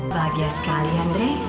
bahagia sekalian deh